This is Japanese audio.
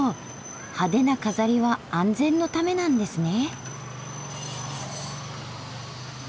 派手な飾りは安全のためなんですね。